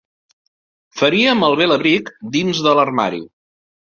Faria malbé l'abric dins de l'armari.